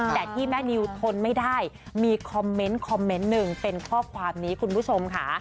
แต่ที่แม่นิวทนไม่ได้มีคอมเมนต์คอมเมนต์หนึ่งเป็นข้อความนี้คุณผู้ชมค่ะ